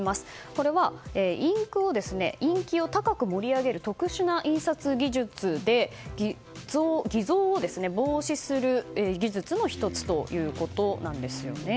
これは、インキを高く盛り上げる特殊な印刷技術で偽造を防止する技術の１つということなんです。